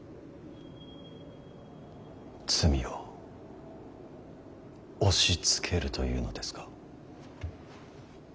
罪を押しつけるというのですか。